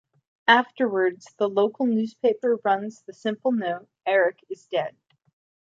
Afterwards, a local newspaper runs the simple note: "Erik is dead".